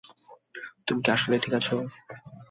তুমি কি আসলেই ঠিক আছো?